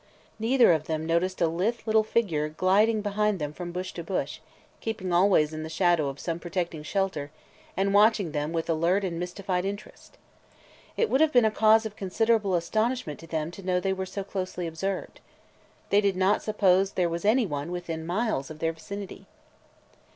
Neither of them noticed a lithe little figure gliding behind them from bush to bush, keeping always in the shadow of some protecting shelter and watching them with alert and mystified interest. It would have been a cause of considerable astonishment to them to know they were so closely observed. They did not suppose there was any one within miles of their vicinity.